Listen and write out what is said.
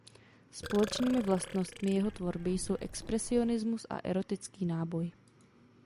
Společnými vlastnostmi jeho tvorby jsou expresionismus a erotický náboj.